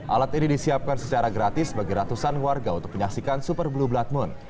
alat ini disiapkan secara gratis bagi ratusan warga untuk menyaksikan super blue blood moon